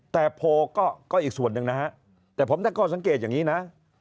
แต่โพลก็อีกส่วนหนึ่งนะฮะแต่ผมตั้งข้อสังเกตอย่างนี้นะ